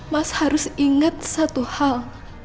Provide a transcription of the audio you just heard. mas harus ingat satu hal